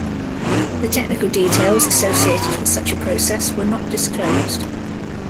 The technical details associated with such a process were not disclosed.